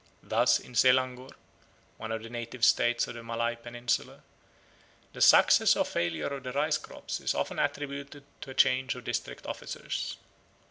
Thus in Selangor, one of the native states of the Malay Peninsula, the success or failure of the rice crops is often attributed to a change of district officers.